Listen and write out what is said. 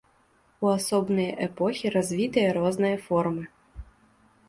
У асобныя эпохі развітыя розныя формы.